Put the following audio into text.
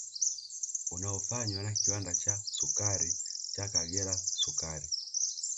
Unaofanywa na kiwanda cha sukari cha Kagera sukari